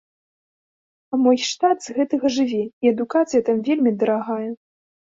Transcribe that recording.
А мой штат з гэтага жыве, і адукацыя там вельмі дарагая.